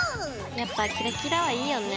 やっぱキラキラはいいよね。